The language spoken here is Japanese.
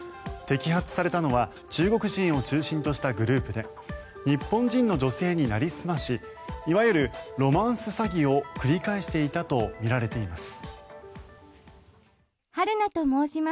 摘発されたのは中国人を中心としたグループで日本人の女性になりすましいわゆるロマンス詐欺を繰り返していたとみられています。